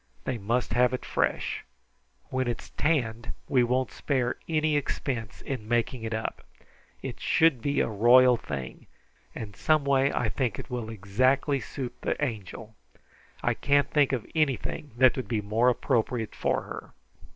They must have it fresh. When it's tanned we won't spare any expense in making it up. It should be a royal thing, and some way I think it will exactly suit the Angel. I can't think of anything that would be more appropriate for her."